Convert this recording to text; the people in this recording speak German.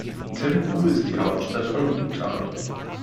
Thimphu ist die Hauptstadt von Bhutan.